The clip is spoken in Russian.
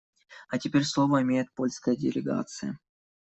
А теперь слово имеет польская делегация.